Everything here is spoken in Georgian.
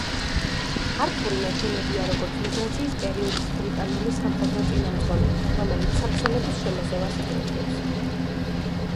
ართური ნაჩვენებია, როგორც მიგრაციის პერიოდის ბრიტანული სამხედრო წინამძღოლი, რომელიც საქსონების შემოსევას იგერიებს.